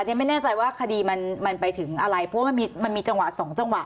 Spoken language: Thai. ยังไม่แน่ใจว่าคดีมันไปถึงอะไรเพราะว่ามันมีจังหวะสองจังหวะ